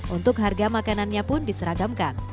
untuk harga makanannya pun diseragamkan